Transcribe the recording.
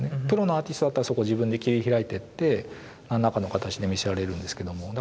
プロのアーティストだったらそこを自分で切り開いてって何らかの形で見せられるんですけども。